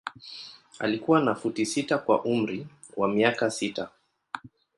Alikuwa na futi sita kwa umri wa miaka sita.